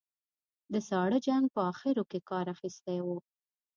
د ساړه جنګ په اخرو کې کار اخیستی و.